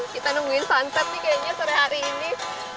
kita nungguin suntet nih kayaknya sore hari ini